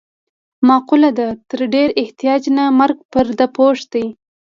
مقوله ده: تر ډېر احتیاج نه مرګ پرده پوښ دی.